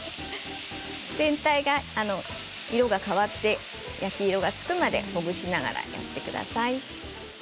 全体が色が変わって焼き色がつくまでほぐしながら焼いてください。